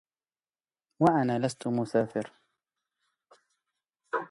وأنا لست مسافر